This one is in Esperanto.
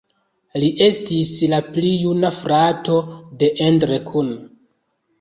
Li estis la pli juna frato de Endre Kun.